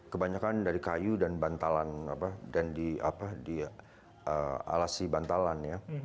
kebanyakan dari kayu dan bantalan